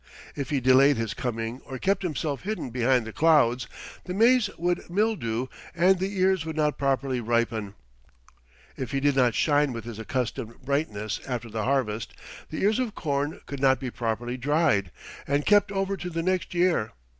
If he delayed his coming or kept himself hidden behind the clouds, the maize would mildew and the ears would not properly ripen. If he did not shine with his accustomed brightness after the harvest, the ears of corn could not be properly dried and kept over to the next year.